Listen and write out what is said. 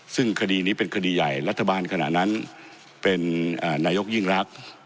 ซึ่งคดีนี้เป็นคดีใหญ่รัฐบาลขณะนั้นเป็นนายกยิ่งรัก